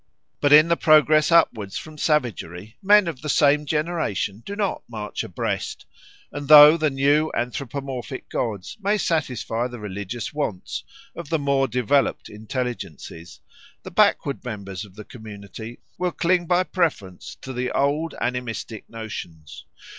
But in the progress upwards from savagery men of the same generation do not march abreast; and though the new anthropomorphic gods may satisfy the religious wants of the more developed intelligences, the backward members of the community will cling by preference to the old animistic notions.